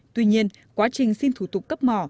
tuy nhiên quá trình xin thủ tục cấp mỏ